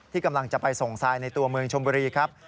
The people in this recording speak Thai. กำลังจะไปส่งทรายในตัวเมืองชมบุรีครับ